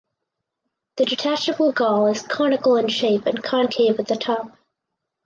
The detachable gall is conical in shape and concave at the top.